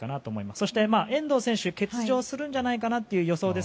そして、遠藤選手は欠場するんじゃないかなという予想です。